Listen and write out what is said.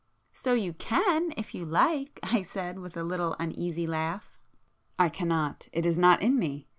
"So you can, if you like,"—I said, with a little uneasy laugh. "I cannot. It is not in me.